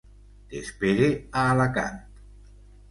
T'espere a Alacant.